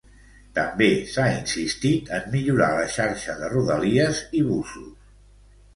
També s'ha insistit en millorar la xarxa de Rodalies i busos.